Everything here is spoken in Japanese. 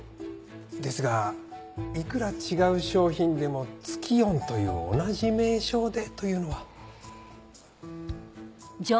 ですがいくら違う商品でも「ツキヨン」という同じ名称でというのは。